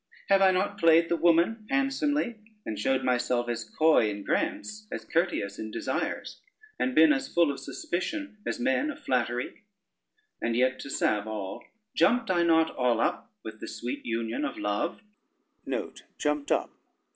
have I not played the woman handsomely, and showed myself as coy in grants as courteous in desires, and been as full of suspicion as men of flattery? and yet to salve all, jumped I not all up with the sweet union of love?